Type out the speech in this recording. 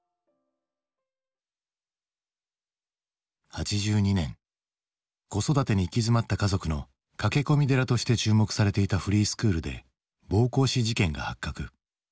８２年子育てに行き詰まった家族の駆け込み寺として注目されていたフリースクールで暴行死事件が発覚。